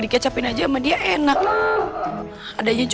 bikin lagi dong yang banyak banget